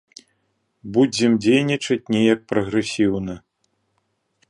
Будзем дзейнічаць неяк прагрэсіўна.